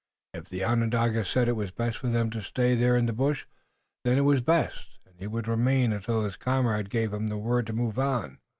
If the Onondaga said it was best for them to stay there in the bush, then it was best, and he would remain until his comrade gave the word to move on.